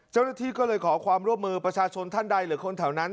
เจ้าหน้าที่ก็เลยขอความร่วมมือประชาชนท่านใดหรือคนแถวนั้น